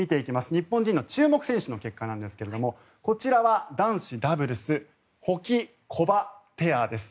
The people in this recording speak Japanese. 日本人の注目選手の結果なんですがこちらは男子ダブルスホキコバペアです。